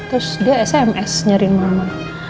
terus dia sms nyaring mama